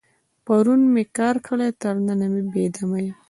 پرون مې کار کړی، تر ننه بې دمه یم.